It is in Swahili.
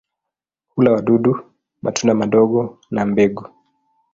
Hula wadudu, matunda madogo na mbegu.